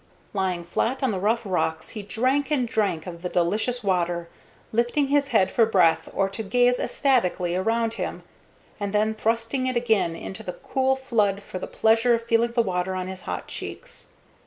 Lying flat on the rough rocks, he drank and drank of the delicious water, lifting his head for breath or to gaze ecstatically about him, and then thrusting it again into the cool flood for the pleasure of feeling the water on his hot cheeks.